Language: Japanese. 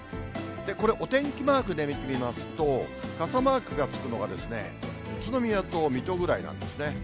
これ、お天気マークで見てみますと、傘マークがつくのが、宇都宮と水戸ぐらいなんですね。